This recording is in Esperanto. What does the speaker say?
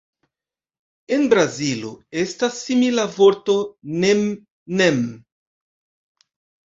En Brazilo, estas simila vorto "nem-nem".